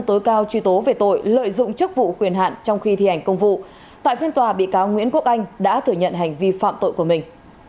tối cao truy tố về tội lợi dụng chức vụ quyền hạn trong khi thi hành công vụ tại phiên tòa bị cáo nguyễn quốc anh đã thừa nhận hành vi phạm tội của mình